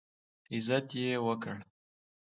عزت یې وکړ.